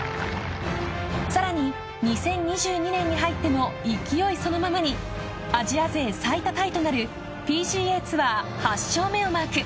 さらに、２０２２年に入っても勢いそのままにアジア勢最多タイとなるＰＧＡツアー８勝目をマーク。